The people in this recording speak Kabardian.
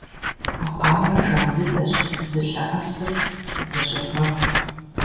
А къамэр жан дыдэщ, зылъэӀэсыр зэщӀегъэху.